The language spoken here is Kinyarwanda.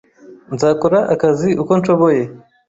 Nzakora akazi uko nshoboye